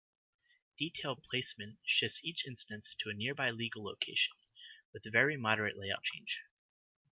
Detailed placement shifts each instance to nearby legal location with very moderate layout change.